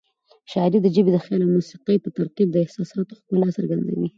شاعري د ژبې، خیال او موسيقۍ په ترکیب د احساساتو ښکلا څرګندوي.